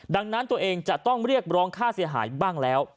ดังนั้นตัวเองจะต้องเรียกร้องค่าเสียหายบ้างแล้ว